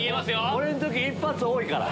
俺ん時一発多いから。